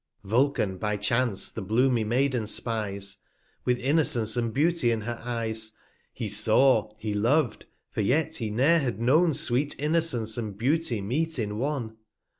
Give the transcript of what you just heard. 240 Vulcan^ by chance the bloomy Maiden spies, With Innocence and Beauty in her Eyes, T He saw, he lov'd ; for yet he ne'er had known Sweet Innocence and Beauty meet in One.